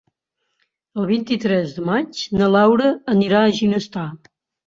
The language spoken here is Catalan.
El vint-i-tres de maig na Laura anirà a Ginestar.